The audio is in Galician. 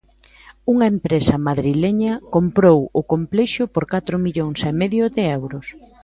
Unha empresa madrileña comprou o complexo por catro millóns e medio de euros.